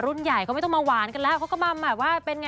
รุ่นใหญ่ก็ไม่ต้องมาหวานกันแล้วเขาก็มาแบบว่าเป็นไง